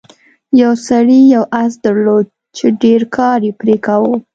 یو سړي یو اس درلود چې ډیر کار یې پرې کاوه.